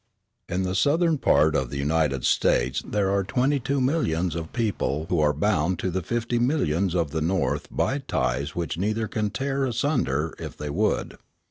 In the Southern part of the United States there are twenty two millions of people who are bound to the fifty millions of the North by ties which neither can tear asunder if they would.